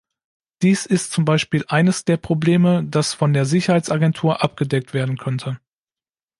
Dies ist zum Beispiel eines der Probleme, das von der Sicherheitsagentur abgedeckt werden könnte.